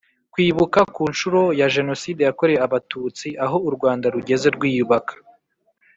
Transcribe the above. Kwibuka ku nshuro ya Jenoside yakorewe Abatutsi Aho u Rwanda rugeze rwiyubaka